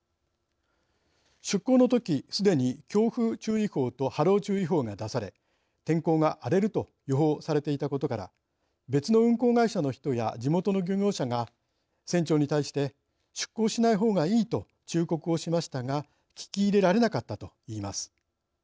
出港の時既に強風注意報と波浪注意報が出され天候が荒れると予報されていたことから別の運航会社の人や地元の漁業者が船長に対して出港しない方がいいと忠告をしましたが聞き入れられなかったといいます。